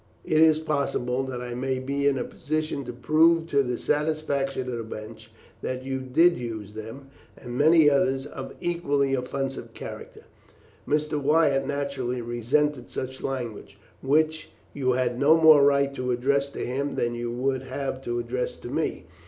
It is possible that I may be in a position to prove to the satisfaction of the bench that you did use them, and many others of an equally offensive character. Mr. Wyatt naturally resented such language, which you had no more right to address to him than you would have to address to me.